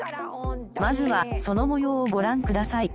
まずはその模様をご覧ください。